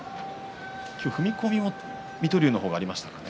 今日、踏み込みは水戸龍の方がありましたかね。